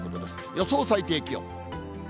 予想最低気温。